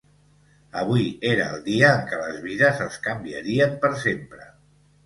Avui era el dia en què les vides els canviarien per sempre.